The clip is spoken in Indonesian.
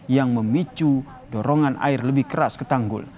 yang memicu dorongan air lebih keras ke tanggul